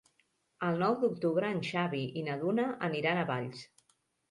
El nou d'octubre en Xavi i na Duna aniran a Valls.